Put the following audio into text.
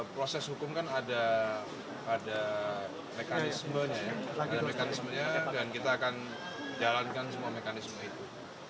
proses hukum kan ada mekanismenya ada mekanismenya dan kita akan jalankan semua mekanisme itu